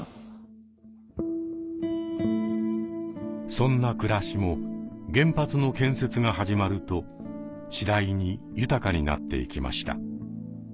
そんな暮らしも原発の建設が始まると次第に豊かになっていきました。